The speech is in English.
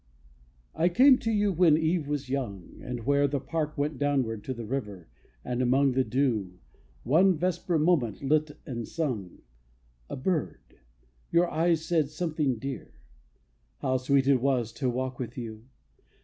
I came to you when eve was young. And, where the park went downward to The river, and, among the dew, One vesper moment lit and sung A bird, your eyes said something dear. How sweet it was to walk with you!